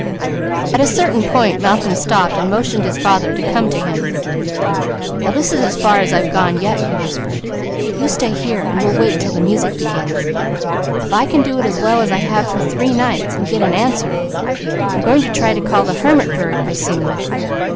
At a certain point Malcolm stopped, motioning his father to come to him. "Now this is as far as I've gone yet," he whispered. "You stay here, and we'll wait till the music begins. If I can do it as well as I have for three nights, and get an answer, I'm going to try to call the Hermit bird I sing with.